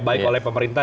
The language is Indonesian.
baik oleh pemerintah